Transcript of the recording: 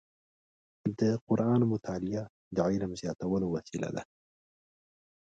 د قرآن مطالع د علم زیاتولو وسیله ده.